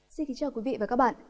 xin kính chào quý vị và các bạn